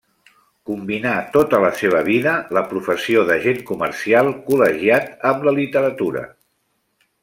Combinà, tota la seva vida, la professió d'agent comercial col·legiat amb la literatura.